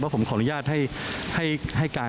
ผมขออนุญาตให้การ